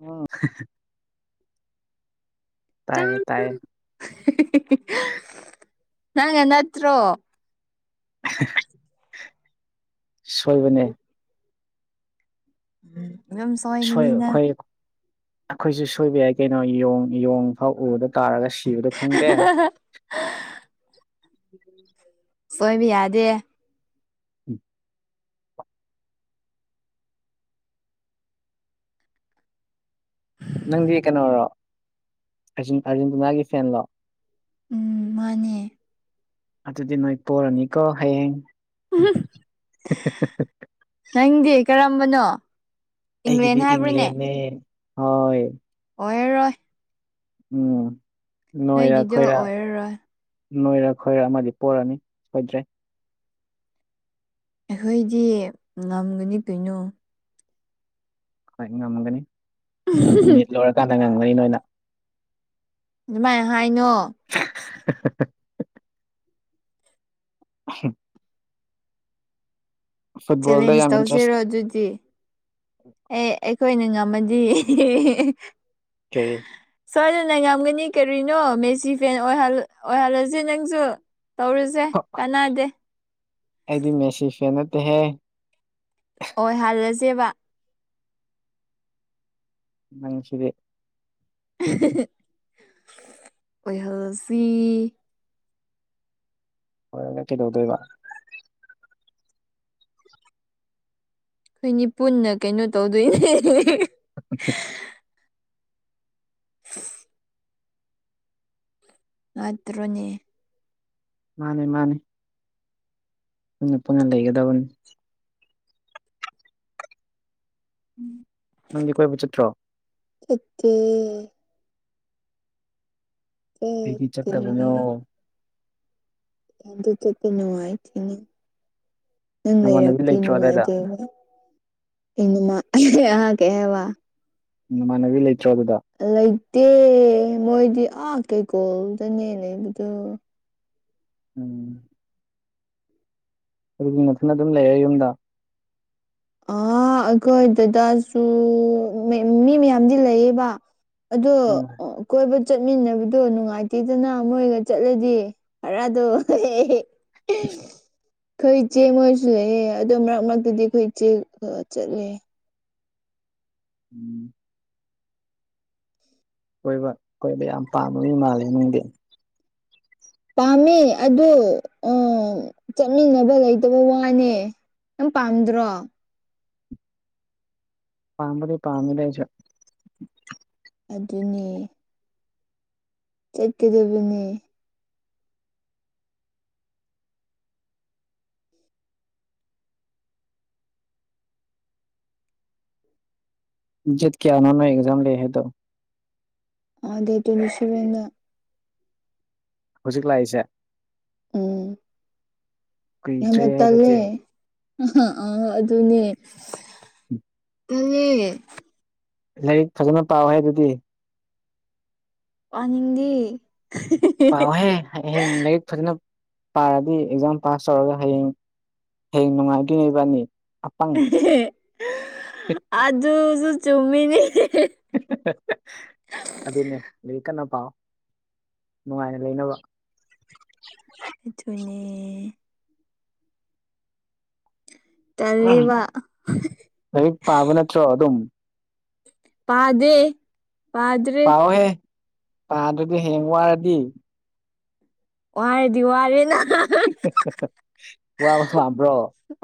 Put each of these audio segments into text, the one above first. ꯎꯝ ꯇꯥꯏꯌꯦ ꯇꯥꯡ ꯇꯥꯏꯌꯦ ꯅꯪꯅ ꯅꯠꯇ꯭ꯔꯣ [unintelligible] ꯁꯣꯏꯕꯅꯦ ꯎꯝ ꯁꯣꯏ ꯑꯩꯈꯣꯏ ꯑꯩꯈꯣꯏꯁꯨ ꯁꯣꯏꯕ ꯌꯥꯏ ꯀꯩꯅꯣ ꯌ‌‌ꯣꯡ ꯌꯣꯡ ꯐꯥꯎ ꯎꯗ ꯇꯥꯔꯒ ꯁꯤꯕꯗꯣ ꯈꯪꯗꯦ ꯍꯥ ꯁꯣꯏꯕ ꯌꯥꯗꯦ [unintelligible] ꯅꯪꯗꯤ ꯀꯩꯅꯣꯔꯣ ꯑꯥꯔꯖꯦꯟꯇꯤꯅꯥꯒꯤ ꯐꯦꯟꯂꯣ ꯎꯝ ꯃꯥꯅꯦ ꯑꯗꯨꯗꯤ ꯅꯣꯏ ꯄꯣꯔꯅꯤꯀꯣ ꯍꯌꯦꯡ ꯎꯍꯨꯝ [unintelligible] ꯅꯪꯗꯤ ꯀꯔꯝꯕꯅꯣ ꯏꯪꯂꯦꯟ ꯑꯩꯒꯤꯗꯤ ꯍꯥꯏꯕ꯭ꯔꯅꯦ ꯏꯪꯂꯦꯟꯅꯦ ꯍꯣꯏ ꯑꯣꯏꯔꯔꯣꯏ ꯎꯝ ꯅꯣꯏꯔ ꯅꯣꯏꯒꯤꯗꯣ ꯑꯈꯣꯏꯔ ꯑꯣꯏꯔꯔꯣꯏ ꯅꯣꯏꯔ ꯈꯣꯏꯔ ꯑꯃꯗꯤ ꯄꫭꯔꯅꯤ ꯁꯣꯏꯗ꯭ꯔꯦ ꯑꯩꯈꯣꯏꯗꯤ ꯉꯝꯒꯅꯤ ꯀꯩꯅꯣ ꯍꯣꯏ ꯉꯝꯒꯅꯤ ꯃꯤꯅꯤꯠ ꯂꯣꯏꯔꯀꯥꯟꯗ ꯉꯝꯒꯅꯤ ꯅꯣꯏꯅ ꯑꯗꯨꯃꯥꯏꯅ ꯍꯥꯏꯅꯣ [inaudible] [unintelligible] ꯑꯩꯍꯤꯝ ꯐꯨꯠꯕꯣꯜꯗ ꯆꯦꯂꯦꯟꯁ ꯌꯥꯝ ꯇꯧꯁꯤꯔꯣ ꯏꯟꯇꯔꯦꯁ ꯑꯗꯨꯗꯤ ꯑꯦ ꯑꯩꯈꯣꯏꯅ ꯉꯝꯃꯗꯤ ꯀꯔꯤ ꯁꫭꯏꯗꯅ ꯉꯝꯒꯅꯤ ꯀꯔꯤꯅꯣ ꯃꯦꯁꯤ ꯐꯦꯟ ꯑꯣꯏꯍꯜ ꯑꫭꯏꯍꯜꯂꯁꯤ ꯅꯪꯁꯨ ꯇꯧꯔꯤꯖꯦ ꯀꯥꯟꯅꯗꯦ ꯑꯩꯗꯤ ꯃꯦꯁꯤ ꯐꯦꯟ ꯅꯠꯇꯦꯍꯦ ꯑꫭꯏ ꯍꯜꯂꯁꯦꯕ ꯅꯪꯁꯤꯗꯤ ꯑꯣꯏꯍꯜꯂꯁꯤ ꯑꫭꯏꯔꯒ ꯀꯩꯗꯧꯗꯣꯏꯕ ꯑꯩꯈꯣꯏꯅꯤ ꯄꯨꯟꯅ ꯀꯩꯅꯣ ꯇꯧꯗꯣꯏꯅꯦ ꯑꯍꯥ ꯍꯥ ꯍ [unintelligible] ꯑꯠꯗꯔꫭꯅꯤ ꯃꯥꯅꯦ ꯃꯥꯅꯦ ꯄꯨꯟꯅ ꯄꯟꯅ ꯂꯩꯒꯗꯕꯅꯤ ꯅꯪꯗꯤ ꯀꯣꯏꯕ ꯆꯠꯇ꯭ꯔꯣ ꯆꯠꯇꯦ ꯀꯔꯤꯒꯤ ꯆꯠꯇꯦ ꯆꯠꯇꯕꯅꯣ ꯑꯗꯨ ꯑꯗꯨ ꯆ ꯅꯅꯨꯡꯉꯥꯏ ꯊꯅ ꯅꯪ ꯅꯃꯥꯟꯅꯕꯤ ꯂꯩꯔꯕꯗꯤ ꯂꯩꯇ꯭ꯔꯣ ꯑꯗꯥꯏꯗ ꯅꯨꯡꯉꯥꯏꯗꫭꯏꯅꯦ [unintelligible] ꯅꯃꯥꯟꯅꯕꯤ ꯂꯩꯇꯔꫭ ꯑꯗꯨꯗ ꯂꯩꯇꯦ ꯃꯣꯏꯗꯤ ꯑꯥ ꯀꯩꯀꯣꯜꯗꯅꯦ ꯂꯩꯕꯗꯨ ꯎꯝ ꯑꯗꯨꯒꯕ ꯊꯅ ꯑꯗꯨꯝ ꯂꯩꯔꯦ ꯌꯨꯝꯗ ꯑ ꯑꯩꯈꯣꯏꯗꯨꯗꯁꯨ ꯃꯤ ꯃꯌꯥꯝꯗꯤ ꯂꯩꯌꯦꯕ ꯑꯗꯣ ꯎꯝ ꯀꯣꯏꯕ ꯆꯠꯃꯤꯟꯅꯕꯗꯣ ꯅꯨꯡꯉꯥꯏꯇꯦꯗꯅ ꯃꯣꯏꯒ ꯆꯠꯂꯗꯤ ꯍꯔ ꯑꯗꯨ ꯎ ꯑꯩꯈꯣꯏ ꯏꯆꯦ ꯃꯣꯏꯁꯨ ꯂꯩꯑꯦ ꯑꯗꯨꯗꯣ ꯃꯔꯛ ꯃꯔꯛꯇꯗꯤ ꯑꯩꯈꯣꯏ ꯏꯆꯦ ꯆꯠꯂꯦ ꯎꯝ ꯀꯣꯏꯕ ꯀꯣꯏꯕ ꯌꯥꯝ ꯄꯥꯝꯕꯒꯤ ꯃꯥꯜꯂꯦ ꯅꯪꯗꯤ ꯄꯥꯝꯃꯦ ꯑꯗꫭ ꯑ ꯆꯠꯃꯤꯟꯅꯕ ꯂꯩꯇꯕ ꯋꯥꯅꯦ ꯅꯪ ꯄꯥꯝꯗ꯭ꯔꫭ ꯄꯥꯝꯕꯗꯤ ꯄꯥꯝꯃꯤꯗ ꯑꯩꯁꯨ ꯑꯗꯨꯅꯦ꯫ ꯆꯠꯀꯗꯕꯅꯤ꯫ ꯖꯦꯠ ꯀꯌꯥꯅꯣ ꯅꯣꯏ ꯑꯦꯛꯖꯥꯝ ꯂꯩ ꯍꯥꯏꯗꯣ꯫ ꯑ ꯗꯦꯠ ꯇ꯭ꯋꯦꯟꯇꯤ ꯁꯕꯦꯟꯗ꯫ ꯍꯧꯖꯤꯛ ꯂꯥꯛꯏꯁꯦ꯫ ꯎꯝ꯫ ꯀꯨꯏꯗ꯭ꯔꯦ ꯌꯥꯝꯅ ꯑꯗꯨꯗꯤ ꯇꯜꯂꯦ ꯑ ꯑꯗꯨꯅꯦ ꯎꯝ ꯄꯨ ꯂꯥꯏꯔꯤꯛ ꯐꯖꯅ ꯄꯥꯎꯦ ꯍꯥꯏ ꯑꯗꯨꯗꯤ ꯋꯥꯅꯤꯡꯗꯤ ꯄꯥꯎꯍꯦ ꯍꯌꯦꯡ ꯂꯥꯏꯔꯤꯛ ꯐꯖꯅ ꯄꯥꯔꯗꯤ ꯑꯦꯛꯖꯥꯝ ꯄꯥꯁ ꯇꯧꯔꯒ ꯍꯌꯦꯡ ꯍꯌꯦꯡ ꯅꯨꯡꯉꯥꯏꯗꯣꯏꯅꯦ ꯏꯕꯥꯅꯤ ꯑꯄꯪ ꯑꯗꯕꯨꯁꯨ ꯆꯨꯝꯃꯤꯅꯤ ꯑꯗꯨꯅꯦ ꯂꯔꯤꯛ ꯀꯟꯅ ꯄꯥꯎ ꯅꯨꯡꯉꯥꯏꯅ ꯂꯩꯅꯕ꯫ ꯑꯗꯨꯅꯦ꯫ ꯇꯜꯂꯤꯕ꯫ ꯂꯔꯤꯛ ꯄꯥꯕ ꯅꯠꯇ꯭ꯔꯣ ꯑꯗꯨꯝ꯫ ꯄꯥꯗꯦ꯫ ꯄꯥꯗ꯭ꯔꯦ ꯄꯥꯎꯍꯦ ꯄꯥꯗ꯭ꯔꯗꯤ ꯍꯌꯦꯡ ꯋꯥꯔꯗꯤ꯫ ꯋꯥꯔꯗꯤ ꯋꯥꯔꯦꯅ꯫ [unintelligible] ꯋꯥꯕ ꯄꯥꯝꯕ꯭ꯔꯣ꯫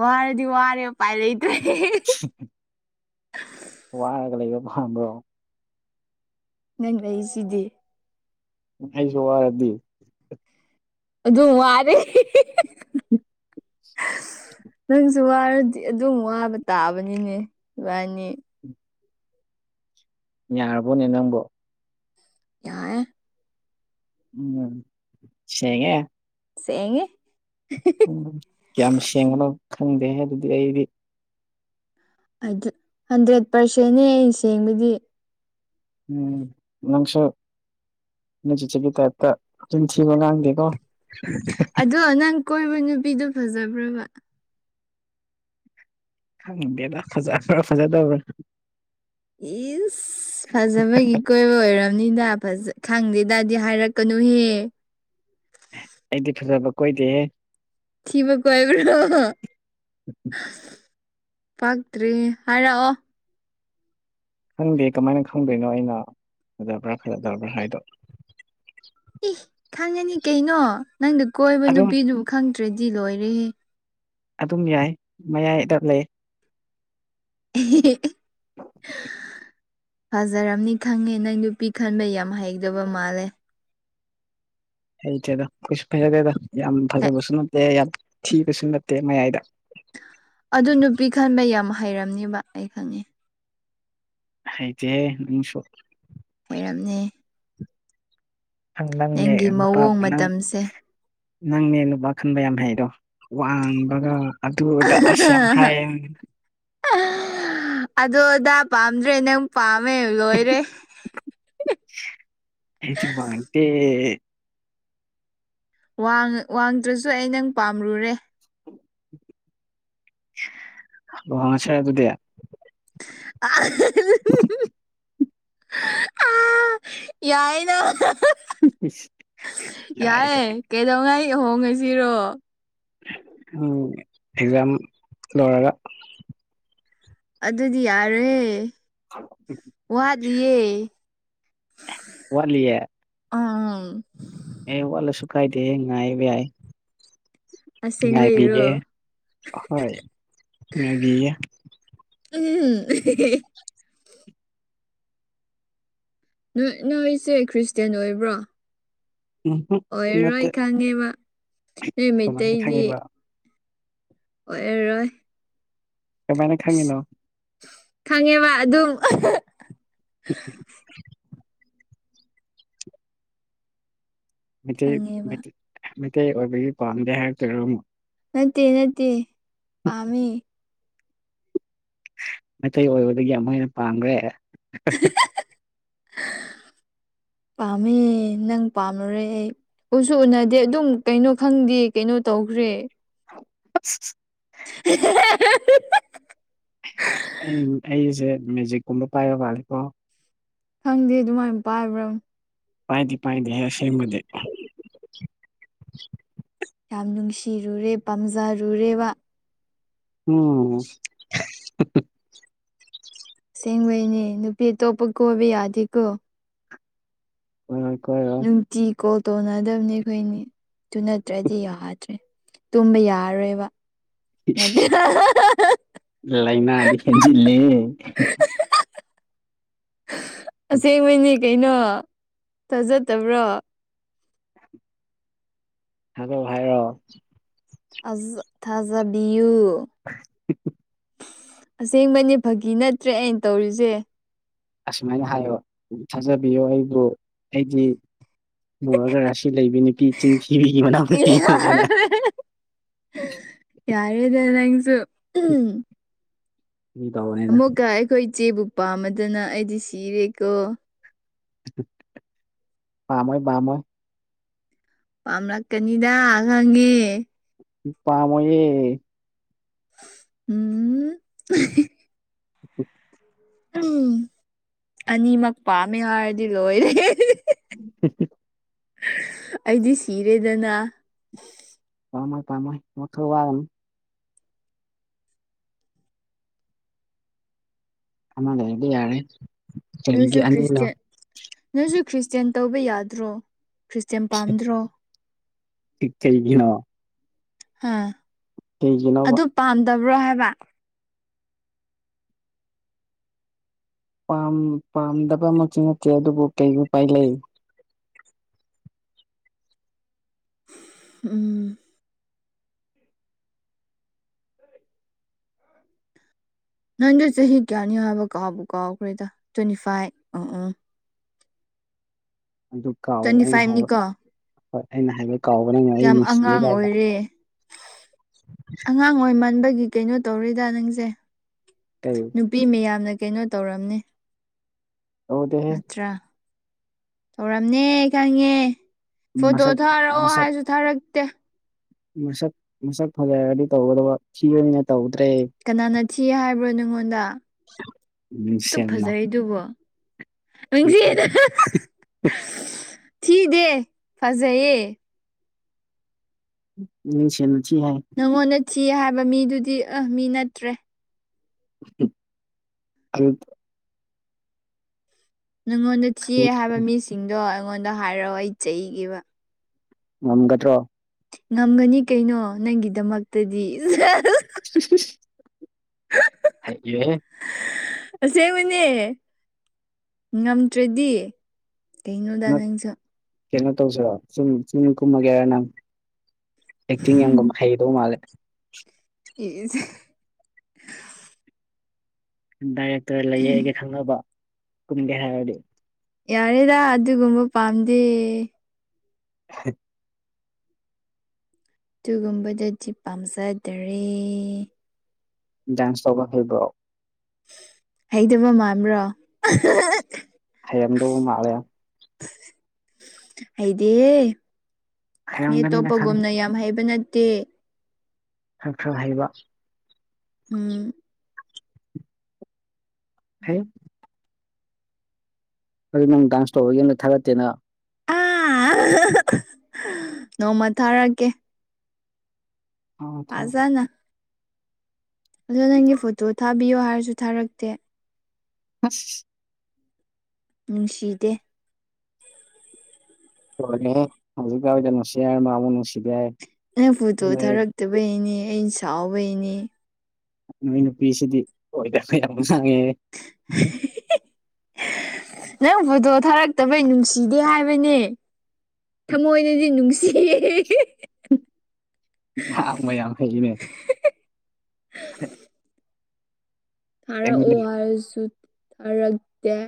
ꯋꯥꯔꯗꯤ ꯋꯥꯔꯦ ꯎꯄꯥꯏ ꯂꯩꯇ꯭ꯔꯦ꯫ [unintelligible] ꯋꯥꯔꯒ ꯂꯩꯕ ꯄꯥꯝꯕ꯭ꯔꯣ꯫ ꯅꯪ ꯂꯩꯏꯁꯤꯗꯤ꯫ ꯑꯩꯁꯨ ꯋꯥꯔꯗꯤ꯫ ꯑꯗꯨ ꯋꯥꯔꯦ꯫ ꯅꯪꯁꯨ ꯋꯥꯔꯗꯤ ꯑꯗꯨꯝ ꯋꯥꯕ ꯇꯥꯕꯅꯤꯅꯦ ꯏꯕꯥꯅꯤ꯫ ꯌꯥꯔꯕꯣꯅꯦ ꯅꯪꯕꯣ꯫ ꯌꯥꯑꯦ꯫ ꯎꯝ ꯁꯦꯡꯉꯦ꯫ ꯁꯦꯡꯉꯦ꯫ ꯎꯝ ꯀ꯭ꯌꯥꯝ ꯁꯦꯡꯕꯅꯣ ꯈꯪꯗꯦꯍꯦ ꯑꯗꯨꯗꯤ ꯑꯩꯗꯤ꯫ ꯑꯗꯨ ꯍꯟꯗ꯭ꯔꯦꯠ ꯄ꯭ꯔꯁꯦꯟꯅꯦ ꯑꯩꯅ ꯁꯦꯡꯕꯗꯤ꯫ ꯎꯝ ꯅꯪꯁꯨ ꯅꯣꯏ ꯆꯦꯆꯦꯒꯤ ꯇꯥꯏꯞꯇ ꯆꯤꯟꯊꯤꯕ ꯉꯥꯡꯗꯦꯀꯣ꯫ ꯑꯗꯣ ꯅꯪ ꯀꯣꯏꯕ ꯅꯨꯄꯤꯗꯨ ꯐꯖꯕ꯭ꯔꯕ꯫ ꯈꯪꯗꯦꯗ ꯐꯖꯕ꯭ꯔ ꯐꯖꯗꯕ꯭ꯔ꯫ ꯏꯁ ꯐꯖꯕꯒꯤ ꯀꯣꯏꯕ ꯑꯣꯏꯔꯝꯅꯤꯗ ꯐꯖ ꯈꯪꯗꯦꯗꯗꯤ ꯍꯥꯏꯔꯛꯀꯅꯨꯍꯦ ꯑꯩꯗꯤ ꯐꯖꯕ ꯀꯣꯏꯗꯦꯍꯦ ꯊꯤꯕ ꯀꯣꯏꯕ꯭ꯔꯣ [unintelligible] ꯄꯛꯇ꯭ꯔꯦ ꯍꯥꯏꯔꯛꯑꯣ ꯈꯪꯗꯦ ꯀꯃꯥꯏꯅ ꯈꯪꯗꯣꯏꯅꯣ ꯑꯩꯅ ꯐꯖꯕ꯭ꯔꯥ ꯐꯖꯗꯕ꯭ꯔꯥ ꯍꯥꯏꯗꯣ꯫ ꯏ ꯈꯪꯉꯅꯤ ꯀꯩꯅꯣ ꯅꯪꯗ ꯀꯣꯏꯕ ꯑꯗꯨꯝ ꯅꯨꯄꯤꯗꯨꯕꯨ ꯈꯪꯗ꯭ꯔꯗꯤ ꯂꯣꯏꯔꯦꯍꯦ꯫ ꯑꯗꯨꯝ ꯌꯥꯏ ꯃꯌꯥꯏꯗ ꯂꯩ꯫ [unintelligible] ꯐꯖꯔꯝꯅꯤ ꯈꯪꯉꯦ ꯅꯪ ꯅꯨꯄꯤ ꯈꯟꯕ ꯌꯥꯝ ꯍꯩꯒꯗ ꯃꯥꯜꯂꯦ꯫ ꯍꯩꯇꯦꯗꯣ ꯀꯩꯁꯨ ꯐꯩꯖꯗꯦ ꯑꯗꯣ ꯌꯥꯝ ꯐꯖꯕꯁꯨ ꯅꯠꯇꯦ ꯌꯥꯝ ꯊꯤꯕꯁꯨ ꯅꯠꯇꯦ ꯃꯌꯥꯏꯗ ꯑꯗꯨ ꯅꯨꯄꯤ ꯈꯟꯕ ꯌꯥꯝ ꯍꯩꯔꯝꯅꯤꯕ ꯑꯩ ꯈꯪꯉꯦ ꯍꯩꯇꯦꯍꯦ ꯅꯪꯁꯨ ꯑꯣꯏꯔꯝꯅꯤ ꯅꯪ ꯅꯪꯅꯦ ꯅꯪꯒꯤ ꯅꯨꯄꯥ ꯃꯑꯣꯡ ꯅꯪ ꯃꯇꯝꯁꯦ ꯅꯪꯅꯦ ꯅꯨꯄꯥ ꯈꯟꯕ ꯌꯥꯝ ꯍꯩꯗꯣ ꯋꯥꯡꯕꯒ ꯑꯗꯨꯗ ꯑꯁ ꯌꯥꯝ ꯍꯥꯏꯌꯦ ꯑꯗꯣꯗꯥ ꯄꯥꯝꯗ꯭ꯔꯦ ꯅꯪ ꯄꯥꯃꯦ ꯂꯣꯏꯔꯦ ꯑꯦ ꯋꯥꯡ ꯋꯥꯡꯗ꯭ꯔꯁꯨ ꯑꯩ ꯅꯪ ꯄꯥꯝꯃꯨꯔꯦ [inaudible] ꯂꯨꯍꯣꯡꯉꯁꯦ ꯑꯗꯨꯗꯤ ꯑꯍꯨ ꯍꯨ ꯑ ꯌꯥꯏꯅ ꯌꯥꯔꯦ ꯌꯥꯏꯌꯦ ꯀꯔꯦ ꯀꯩꯗꯧꯉꯩ ꯍꯣꯡꯉꯁꯤꯔꯣ ꯎꯝ ꯑꯦꯛꯖꯥꯝ ꯂꯣꯏꯔꯒ ꯑꯗꯨꯗꯤ ꯌꯥꯔꯦ ꯋꯥꯠꯂꯤꯌꯦ ꯋꯥꯠꯂꯤꯌꯦ ꯑꯝ ꯑꯦ ꯋꯥꯠꯂꯁꯨꯨꯀꯥꯏꯗꯦꯍꯦ ꯉꯥꯏꯕ ꯌꯥꯏ ꯑꯁꯦꯡꯕꯩꯔꯣ ꯉꯥꯏꯕꯤꯒꯦ ꯍꯣꯏ ꯉꯥꯏꯕꯤꯒꯦ ꯎꯝ ꯅꯣꯏ ꯅꯣꯏꯁꯦ ꯈ꯭ꯔꯤꯁꯇ꯭ꯌꯦꯟ ꯑꯣꯏꯕ꯭ꯔꯣ ꯎꯝꯍꯨꯝ ꯑꯣꯏꯔꯔꯣꯏ ꯅꯠꯇꯦ ꯈꯪꯉꯦꯕ ꯑꯦ ꯀꯃꯥꯏꯅ ꯃꯩꯇꯩꯗꯤ ꯈꯪꯉꯤꯕ ꯑꯣꯏꯔꯔꯣꯏ ꯀꯃꯥꯏꯅ ꯈꯪꯉꯤꯅꯣ ꯈꯪꯉꯦꯕ ꯑꯗꯨꯝ ꯎꯝ ꯃꯩꯇꯩ ꯈꯪꯉꯦꯕ ꯃꯩꯇꯩ ꯑꯣꯏꯕꯒꯤ ꯄꯥꯝꯗꯦ ꯍꯥꯏꯔꯛꯇꯣꯏꯔ ꯑꯃꯨꯛ ꯅꯠꯇꯦ ꯅꯠꯇꯦ ꯄꯥꯝꯃꯤ ꯃꯩꯇꯩ ꯑꯣꯏꯕꯗꯒꯤ ꯑꯃꯨꯛ ꯍꯦꯟꯅ ꯄꯥꯝꯈ꯭ꯔꯦ ꯄꯥꯝꯃꯦ ꯅꯪ ꯄꯥꯝꯂꯨꯔꯦ ꯑꯩ ꯎꯁꯨ ꯎꯅꯗꯦ ꯑꯗꯨꯝ ꯀꯩꯅꯣ ꯈꯪꯗꯦ ꯀꯩꯅꯣ ꯇꯧꯈ꯭ꯔꯦ ꯁꯤ ꯁꯤ ꯍꯦ ꯍꯦ ꯑꯩ ꯑꯩꯁꯦ ꯃꯦꯖꯤꯛꯀꯨꯝꯕ ꯄꯥꯏꯕ ꯃꯥꯂꯀꯣ ꯈꯪꯗꯦ ꯑꯗꯨꯃꯥꯏꯅ ꯄꯥꯏꯕ꯭ꯔꯥ ꯄꯥꯏꯗꯤ ꯄꯥꯏꯗꯤ ꯍ ꯑꯁꯤꯦ ꯃ ꯌꯥꯝ ꯅꯨꯡꯁꯤꯔꯨꯔꯦ ꯄꯥꯝꯖꯔꯨꯔꯦꯕ ꯎꯝ ꯁꯁꯦꯡꯕꯩꯅꯦ ꯅꯨꯄꯤ ꯑꯇꯣꯞꯄ ꯀꯣꯏꯕ ꯌꯥꯗꯦꯀꯣ ꯀ ꯀꯣꯏꯣ ꯇꯤ ꯀꯣꯜ ꯇꯧꯅꯗꯕꯅꯤ ꯑꯩꯈꯣꯏꯅꯤ ꯑꯗꯨ ꯅꯠꯇ꯭ꯔꯗꯤ ꯌꯥꯗ꯭ꯔꯦ ꯇꯨꯝꯕ ꯌꯥꯔꯔꯣꯏꯕ ꯅꯠꯇ꯭ꯔ ꯂꯩꯏꯅꯥꯗꯤ ꯍꯦꯟꯖꯤꯜꯂꯦ ꯑꯁꯦꯡꯕꯅꯦ ꯀꯩꯅꯣ ꯊꯥꯖꯗꯕ꯭ꯔꯣ ꯍꯗꯣ ꯍꯥꯏꯔꯣ ꯊꯥꯖꯕꯤꯌꯨ ꯍꯤ ꯍꯝ ꯑꯁꯦꯡꯕꯅꯦ ꯐꯥꯒꯤ ꯅꯠꯇ꯭ꯔꯦ ꯑꯩꯅ ꯇꯧꯔꯤꯁꯦ ꯑꯁꯨꯃꯥꯏꯅ ꯍꯥꯏꯌꯣ ꯊꯥꯖꯕꯤꯌꯣ ꯑꯩꯕꯨ ꯑꯩꯗꯤ ꯃꯨꯔꯒ ꯔꯥꯁꯤ ꯂꯩꯕꯤ ꯅꯨꯄꯤ ꯏ ꯆꯤꯟꯊꯤꯕꯤꯒꯤ ꯃꯅꯥꯛꯇ ꯀꯤꯅꯤꯅꯦꯅ ꯌꯥꯔꯦꯗ ꯅꯪꯁꯨ ꯎꯝ ꯐꯥꯒꯤ ꯇꯧꯕꯅꯤꯗ ꯑꯃꯨꯛꯀ ꯑꯩꯈꯣꯏ ꯏꯆꯦꯕꯨ ꯄꯥꯝꯃꯗꯅ ꯑꯩꯗꯤ ꯁꯤꯔꯦꯀꯣ ꯄ ꯃꯣꯏ ꯄ ꯃꯣꯏ ꯄꯥꯝꯂꯛꯀꯅꯤꯗ ꯈꯪꯉꯦ ꯄꯥꯃꯦ ꯎꯝ ꯎ m LLB LLM lm LLB and ꯎꯝ ꯑꯅꯤꯃꯛ ꯄꯥꯝꯃꯦ ꯍꯥꯏꯔꯗꯤ ꯂꯣꯏꯔꯦ ꯁꯁꯦ ꯑꯩꯗꯤ ꯁꯤꯔꯦꯗꯅ ꯄꯃꯥꯏ ꯄꯥꯃ ꯃ ꯊ ꯋꯥ ꯑꯃꯅꯦꯗꯤ ꯌꯥꯔꯦ ꯀꯔꯤꯒꯤ ꯅꯣꯏꯁꯨ ꯑꯅꯤꯅꯣ ꯈ꯭ꯔꯤꯁꯇꯦꯟ ꯅꯣꯏꯁꯨ ꯈ꯭ꯔꯤꯁꯇꯦꯟ ꯇꯧꯕ ꯌꯥꯗ꯭ꯔꯣ ꯈ꯭ꯔꯤꯁꯇꯦꯟ ꯄꯥꯝꯗ꯭ꯔꯣ ꯄ ꯆꯒꯤꯅꯣ ꯍꯥꯝ ꯀꯩꯒꯤꯅꯧꯕ ꯄꯥꯝꯗꯕ꯭ꯔꯣ ꯍꯥꯏꯕ ꯄꯥꯝꯗꯕ ꯑꯃꯁꯁꯨ ꯅꯠꯇꯦ ꯑꯗꯨꯕꯨ ꯀꯩ ꯎꯄꯥꯏ ꯂꯩ ꯎꯝ ꯅꯪꯗꯣ ꯆꯍꯤ ꯀꯌꯥꯅꯤꯣ ꯍꯥꯏꯕ ꯀꯥꯎꯕ ꯀꯥꯎꯈ꯭ꯔꯦꯗ ꯇ꯭ꯋꯦꯟꯇꯤ ꯐꯥꯏꯚ ꯑ ꯎꯝ ꯑꯗꯨ ꯀꯥꯎꯑꯣꯕ ꯇ꯭ꯋꯦꯟꯇꯤ ꯑꯩꯅ ꯍꯥꯏꯕ ꯐꯥꯏꯚꯅꯤꯀꯣ ꯍꯣꯏ ꯑꯩꯅ ꯍꯥꯏꯕ ꯀꯥꯎꯕꯅꯉ ꯑꯩ ꯌꯥꯝ ꯅꯨꯡꯁꯤꯗꯦ ꯑꯉꯥꯡ ꯀꯥꯏꯅ ꯑꯣꯏꯔꯦ ꯑꯉꯥꯡ ꯑꯣꯏ ꯃꯟꯕꯒꯤ ꯀꯩꯅꯣ ꯇꯧꯔꯤꯗ ꯅꯪꯁꯦ ꯇ ꯅꯨꯄꯤ ꯃꯌꯥꯝꯅ ꯀꯩꯅꯣ ꯇꯧꯔꯝꯅꯦ ꯍꯗ ꯅꯠꯇ꯭ꯔꯥ ꯇꯧꯔꯝꯅꯦ ꯈꯪꯉꯦ ꯐꯣꯇꯣ ꯃꯁꯛ ꯊꯥꯔꯛꯑꯣ ꯃꯁꯛ ꯍꯥꯏꯁꯨ ꯊꯥꯔꯛꯇꯦ ꯃꯁꯛ ꯃꯁꯛ ꯐꯖꯔꯗꯤ ꯇꯧꯒꯗꯕ ꯊꯤꯅꯤ ꯑꯣꯏꯅ ꯇꯧꯗ꯭ꯔꯦ ꯀꯅꯥꯅ ꯊꯤ ꯍꯥꯏꯕ꯭ꯔꯣ ꯅꯪꯉꯣꯟꯗ ꯑꯗꯨ ꯃꯤꯡꯁꯦꯜꯅ ꯐꯖꯩꯗꯨꯕꯣ ꯅꯪꯁꯤꯅ ꯊꯤꯗꯦ ꯐꯖꯩꯌꯦ ꯅꯤꯡꯁ ꯅꯨꯡꯁꯤ ꯍꯥꯏ ꯅꯪꯉꯣꯟꯗ ꯆꯤ ꯍꯥꯏꯕ ꯃꯤꯗꯨꯗꯤ ꯑ ꯃꯤ ꯅꯠꯇ꯭ꯔꯦ ꯎꯝ ꯅꯉꯣꯟꯗ ꯊꯤꯌꯦ ꯍꯥꯏꯕ ꯃꯤꯁꯤꯡꯗꯣ ꯑꯩꯉꯣꯟꯗ ꯍꯥꯏꯔꯛꯑꯣ ꯑꯩ ꯆꯩꯒꯦꯕ ꯉꯝꯒꯗ꯭ꯔꯣ ꯉꯝꯒꯅꯤ ꯀꯩꯅꯣ ꯅꯪꯒꯤꯗꯃꯛꯇꯗꯤ ꯁꯦꯁ ꯨ [unintelligible] ꯍꯩꯌꯦ ꯑꯁꯦꯡꯕꯅꯦ ꯉꯝꯗ꯭ꯔꯗꯤ ꯀꯩꯅꯣꯗꯥ ꯅꯪ ꯅꯪꯁꯨ ꯀꯩꯅꯣ ꯇꯧꯁꯤꯔꯣ ꯐꯤꯜꯃ ꯐꯤꯜꯃ ꯀꯨꯝꯃꯒꯦꯔ ꯅꯪ ꯑꯦꯛꯇꯤꯡ ꯌꯥꯝꯒ ꯍꯩꯗꯧ ꯃꯥꯜꯂꯦ ꯑꯦꯁ ꯗꯥꯏꯔꯦꯛꯇꯔ ꯂꯩꯌꯦ ꯑꯩꯒ ꯈꯪꯅꯕ ꯀꯨꯝꯒꯦ ꯍꯥꯏꯔꯗꯤ ꯌꯥꯔꯦꯗ ꯑꯗꯨꯒꯨꯝꯕ ꯄꯥꯝꯗꯦ ꯍ ꯑꯗꯨꯒꯨꯝꯕꯗꯗꯤ ꯄꯥꯝꯖꯗꯔꯦ ꯆꯧꯕ ꯍꯥꯏꯕ ꯍꯩꯇꯕ ꯃꯥꯟꯕꯔꯣ ꯍꯩꯔꯝꯗꯧꯕ ꯃꯥꯜꯂꯦ ꯍꯩꯗꯦꯌꯦ ꯃꯤ ꯍꯩꯔꯝꯒꯅꯤꯅ ꯈꯪꯉꯤ ꯑꯇꯣꯞꯄꯒꯨꯝꯅ ꯌꯥꯝ ꯃꯍꯩꯕ ꯅꯠꯇꯦ ꯈꯈ꯭ꯔ ꯍꯩꯕ ꯎꯝ ꯍꯩ ꯑꯩ ꯅꯪ ꯗꯥꯟꯁ ꯇꯧꯔꯒ ꯌꯨꯝꯗ ꯊꯥꯒꯠꯇꯦꯅ ꯑꯥ ꯅꯣꯡꯃ ꯊꯥꯔꯛꯀꯦ ꯎꯝ ꯊꯝ ꯐꯖꯅ ꯑꯗꯣ ꯅꯪꯒꯤ ꯐꯣꯇꯣ ꯊꯥꯕꯤꯌꯣ ꯍꯥꯏꯔꯁꯨ ꯊꯥꯔꯛꯇꯦ ꯑꯁ ꯅꯨꯡꯁꯤꯗꯦ ꯂꫭꯏꯔꯦꯍꯦ ꯍꯧꯖꯤꯛꯋꯥꯏꯗ ꯅꯨꯡꯁꯤ ꯍꯥꯏꯔꯝꯃꯒ ꯑꯃꯨꯛ ꯅꯨꯡꯁꯤꯗꯦ ꯍꯥꯏ ꯅꯪ ꯐꯣꯇꯣ ꯅꯣꯏ ꯊꯥꯔꯛꯇꯕꯩꯅꯦ ꯑꯩꯩꯅ ꯁꯥꯎꯕꯩꯅꯦ ꯅꯣꯏ ꯅꯨꯄꯤꯁꯤꯗꯤ ꯑꯣꯏꯗꯕ ꯌꯥꯝ ꯉꯥꯡꯉꯦ ꯅꯪ ꯐꯣꯇꯣ ꯊꯥꯔꯛꯇꯕꯒꯤ ꯅꯨꯡꯁꯤꯗꯦ ꯍꯥꯏꯕꯅꯦ ꯊꯃꯣꯏꯅꯗꯤ ꯅꯨꯡꯁꯤ ꯍꯥꯛ ꯃꯌꯥꯝ ꯑꯩꯖꯨꯅꯦ [inaudible] ꯊꯥꯔꯛꯑꯣ ꯑꯩꯉꯣꯟꯗ ꯍꯥꯏꯔꯁꯨ ꯊꯥꯔꯛ